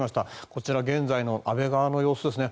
こちら、現在の安倍川の様子ですね。